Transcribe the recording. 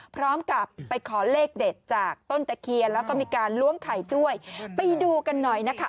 พร้อมกับไปขอเลขเด็ดจากต้นตะเคียนแล้วก็มีการล้วงไข่ด้วยไปดูกันหน่อยนะคะ